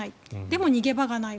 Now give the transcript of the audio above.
でも逃げ場がない。